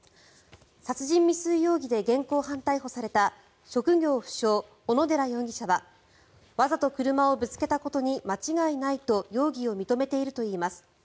殺人未遂容疑で現行犯逮捕された職業不詳・小野寺容疑者はわざと車をぶつけたことに間違いないと容疑を認めているといいます。